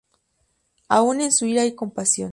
Aún en su ira hay compasión.